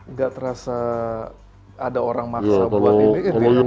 nggak terasa ada orang maksa buat ini